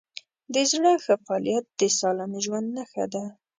د زړه ښه فعالیت د سالم ژوند نښه ده.